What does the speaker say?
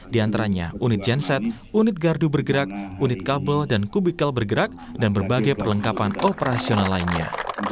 di antaranya unit genset unit gardu bergerak unit kabel dan kubikel bergerak dan berbagai perlengkapan operasional lainnya